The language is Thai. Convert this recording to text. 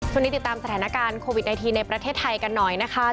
ติดตามสถานการณ์โควิด๑๙ในประเทศไทยกันหน่อยนะคะ